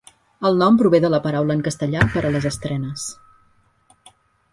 El nom prové de la paraula en castellà per a les "estrenes".